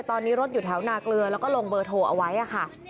ตอนนี้รถอยู่แถวนาเกลือแล้วก็ลงเบอร์โทรเอาไว้ค่ะ